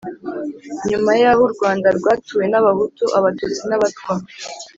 nyuma y'aho urwanda rwatuwe n'abahutu, abatutsi n'abatwa